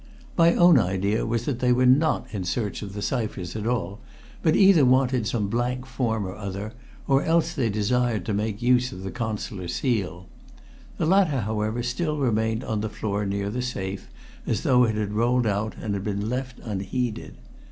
My own idea was that they were not in search of the ciphers at all, but either wanted some blank form or other, or else they desired to make use of the Consular seal. The latter, however, still remained on the floor near the safe, as though it had rolled out and been left unheeded.